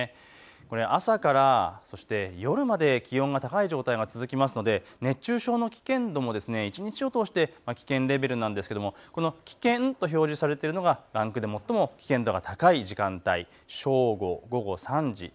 朝から夜まで気温が高い状態が続きますので熱中症の危険度も一日を通して危険レベルなんですけれども、危険と表示されているのが最も危険度が高い時間帯、正午、午後３時。